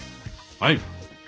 「はい」